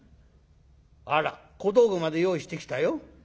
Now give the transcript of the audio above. あら小道具まで用意してきたよ。